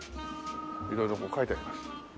色々こう書いてあります。